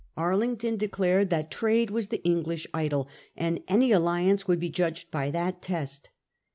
Arlington declared that trade was the English idol, and any alliance would be judged by that test.